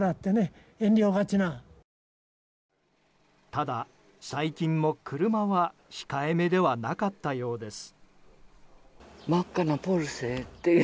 ただ、最近も車は控えめではなかったようです。